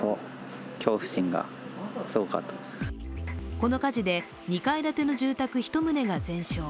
この火事で２階建ての住宅１棟が全焼。